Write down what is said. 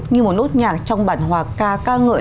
như một nốt nhạc trong bản hòa ca ca ngợi